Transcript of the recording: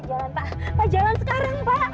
pak ayah jangan jalan sekarang pak